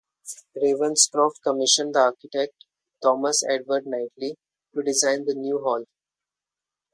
Ravenscroft commissioned the architect Thomas Edward Knightley to design the new hall.